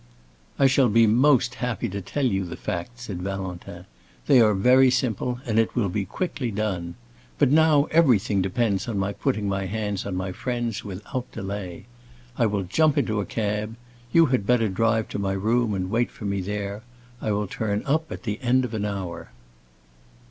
"I shall be most happy to tell you the facts," said Valentin. "They are very simple, and it will be quickly done. But now everything depends on my putting my hands on my friends without delay. I will jump into a cab; you had better drive to my room and wait for me there. I will turn up at the end of an hour."